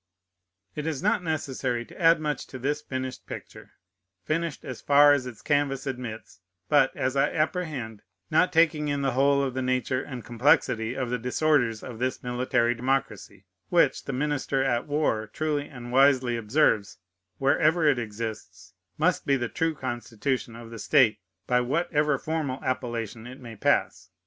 It is not necessary to add much to this finished picture, finished as far as its canvas admits, but, as I apprehend, not taking in the whole of the nature and complexity of the disorders of this military democracy, which, the minister at war truly and wisely observes, wherever it exists, must be the true constitution of the state, by whatever formal appellation it may pass.